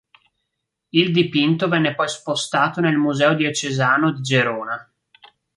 Il dipinto venne poi spostato nel Museo Diocesano di Gerona.